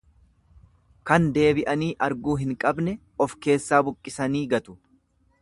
Kan deebi'anii arguu hin qabne of keessaa buuqqisanii gatu.